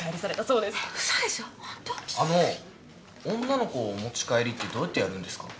女の子をお持ち帰りってどうやってやるんですか？